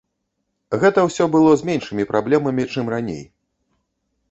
Гэта ўсё было з меншымі праблемамі, чым раней.